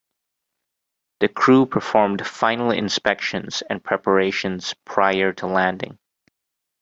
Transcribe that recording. The crew performed final inspections and preparations prior to landing.